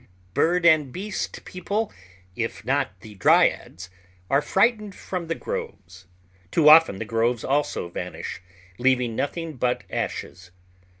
Bird and beast people, if not the dryads, are frightened from the groves. Too often the groves also vanish, leaving nothing but ashes.